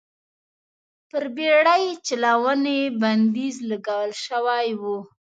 پر بېړۍ چلونې بندیز لګول شوی و.